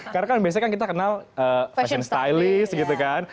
karena kan biasanya kita kenal fashion stylist gitu kan